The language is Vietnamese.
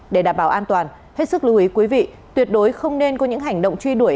để đảm bảo an toàn hết sức lưu ý quý vị tuyệt đối không nên có những hành động truy đuổi